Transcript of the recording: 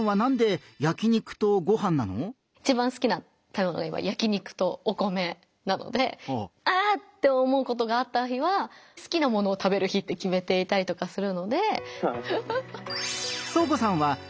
いちばん好きな食べ物が今焼肉とお米なのであぁっ！って思うことがあった日は好きなものを食べる日って決めていたりとかするので。